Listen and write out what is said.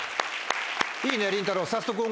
いいねりんたろう。